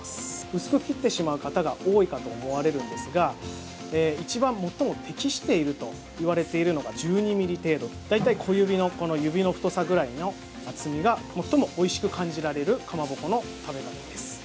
薄く切ってしまう方が多いかと思われるんですが一番、最も適しているといわれているのが１２ｍｍ程度大体小指の太さぐらいの厚みが最もおいしく感じられるかまぼこの食べ方です。